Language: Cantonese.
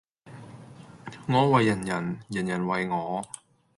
我為人人，人人為我